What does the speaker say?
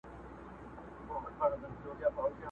يادوي به د يارانو سفرونه٫